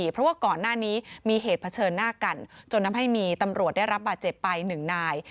เพราะว่าก่อนหน้านี้มีเหตุเผชิญหน้ากันจนทำให้มีตำรวจได้รับบาดเจ็บไปหนึ่งนาย